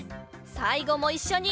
さいごもいっしょに。